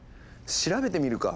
調べてみるか。